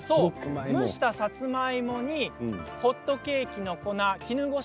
蒸したさつまいもにホットケーキの粉絹ごし